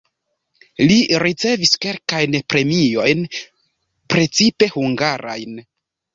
Li ricevis kelkajn premiojn (precipe hungarajn).